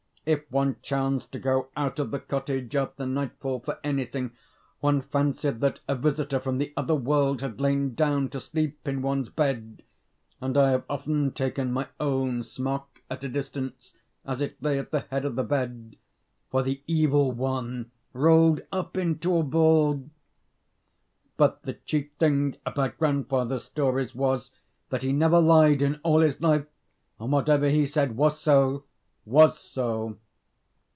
If one chanced to go out of the cottage after nightfall for anything, one fancied that a visitor from the other world had lain down to sleep in one's bed; and I have often taken my own smock, at a distance, as it lay at the head of the bed, for the Evil One rolled up into a ball! But the chief thing about grandfather's stories was, that he never lied in all his life; and whatever he said was so, was so.